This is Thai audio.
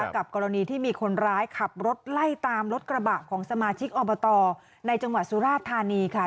กรณีที่มีคนร้ายขับรถไล่ตามรถกระบะของสมาชิกอบตในจังหวัดสุราชธานีค่ะ